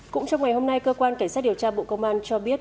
cũng trong ngày hôm nay cơ quan cảnh sát điều tra bộ công an cho biết